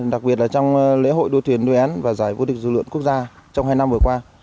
đặc biệt là trong lễ hội đua thuyền đuổi án và giải vô địch du lượng quốc gia trong hai năm vừa qua